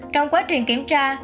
trong quá trình kiểm tra